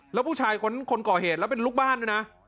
แล้วผู้ชายคนนั้นคนก่อเหตุแล้วเป็นลูกบ้านดูนะ